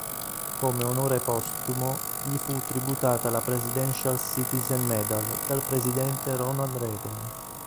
Come onore postumo gli fu tributata la "Presidential Citizen Medal" dal Presidente Ronald Reagan.